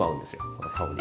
この香り。